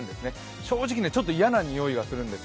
正直、ちょっと嫌なにおいがするんですよ。